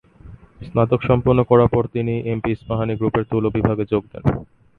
স্নাতক সম্পন্ন করার পর তিনি এমপি ইস্পাহানি গ্রুপের তুলো বিভাগে যোগ দেন।